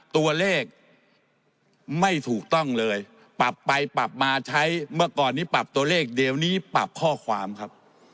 ตัวเลขไม่ถูกต้องเลยปรับไปปรับมาใช้เมื่อก่อนนี้ปรับตัวเลขเดี๋ยวนี้ปรับข้อความครับ